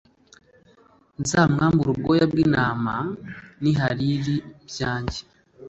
nzamwambure ubwoya bw’intama n’ihariri byanjye